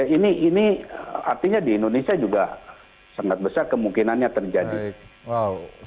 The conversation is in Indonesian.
ini artinya di indonesia juga sangat besar kemungkinannya terjadi